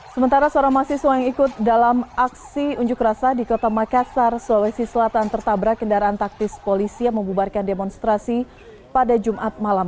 sementara seorang mahasiswa yang ikut dalam aksi unjuk rasa di kota makassar sulawesi selatan tertabrak kendaraan taktis polisi yang membubarkan demonstrasi pada jumat malam